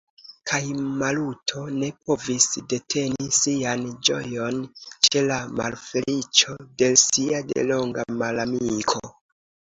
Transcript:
Kaj Maluto ne povis deteni sian ĝojon ĉe la malfeliĉo de sia delonga malamiko.